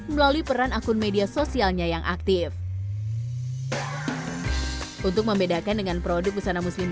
melalui peran akun media sosialnya yang aktif untuk membedakan dengan produk busana muslim